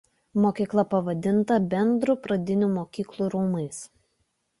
Mokykla pavadinta Bendrų pradinių mokyklų rūmais.